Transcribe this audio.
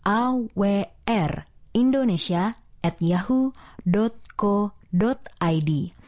awrindonesia yahoo co id